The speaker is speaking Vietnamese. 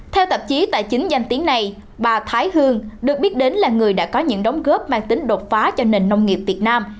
theo tạp chí tài chính danh tiếng này bà thái hương được biết đến là người đã có những đóng góp mang tính đột phá cho nền nông nghiệp việt nam